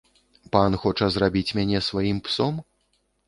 Пан хоча зрабіць мяне сваім псом?